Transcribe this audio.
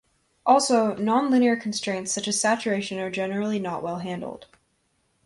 Also, non-linear constraints such as saturation are generally not well-handled.